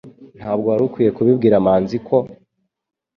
Ntabwo wari ukwiye kubibwira manzi ko